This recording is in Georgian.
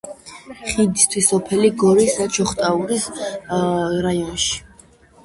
ხიდისთავი სოფელი გორის და ჩოხატაურის რაიონში.